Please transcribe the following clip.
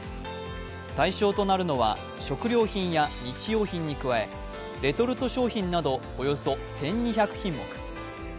対象となるのは食料品や日用品に加え、レトルト商品などおよそ１２００品目。